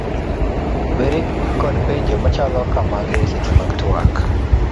Weri kod penjo machalo ka magi e seche mag tuak: